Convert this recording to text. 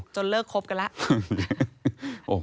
เลิกคบกันแล้ว